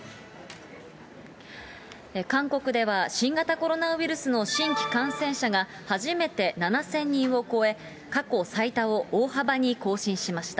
韓国では新型コロナウイルスの新規感染者が、初めて７０００人を超え、過去最多を大幅に更新しました。